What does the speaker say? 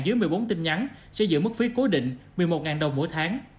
dưới một mươi bốn tình nhắn sẽ giữ mức phí cố định một mươi một đồng mỗi tháng